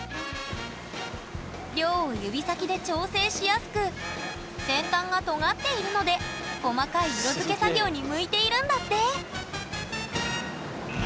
量を指先で調整しやすく先端がとがっているので細かい色づけ作業に向いているんだって！